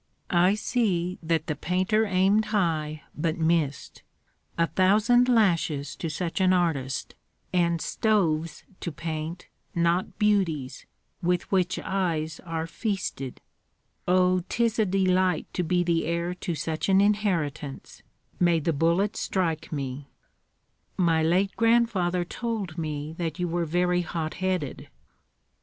I see that the painter aimed high, but missed. A thousand lashes to such an artist, and stoves to paint, not beauties, with which eyes are feasted! Oh, 'tis a delight to be the heir to such an inheritance, may the bullets strike me!" "My late grandfather told me that you were very hot headed."